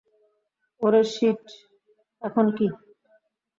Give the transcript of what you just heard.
ওরে শিট - এখন কি?